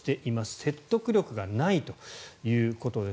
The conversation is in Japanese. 説得力がないということです。